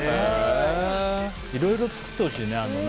いろいろ作ってほしいね。